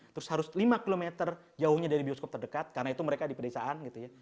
terus harus lima km jauhnya dari bioskop terdekat karena itu mereka di pedesaan gitu ya